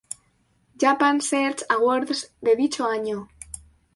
Japan Search Awards de dicho año.